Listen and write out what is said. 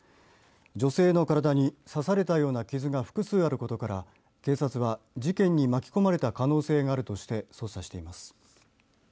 女性の体に刺されたような傷が複数あることから警察は事件に巻き込まれた可能性があるとして捜査しています。